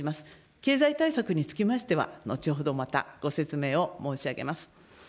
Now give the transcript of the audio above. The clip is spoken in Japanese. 経済対策につきましては、後ほどまたご説明を申し上げます。